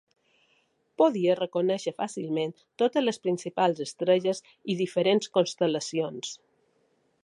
Podia reconèixer fàcilment totes les principals estrelles i diferents constel·lacions.